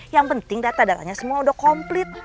yang penting data datanya semua udah komplit